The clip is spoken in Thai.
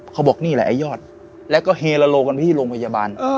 เขาบอกนี่แหละไอ้ยอดแล้วก็เฮโลกันไปที่โรงพยาบาล